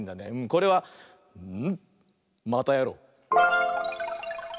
これは。またやろう！